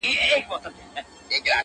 دا ناځوانه نور له كاره دى لوېــدلى.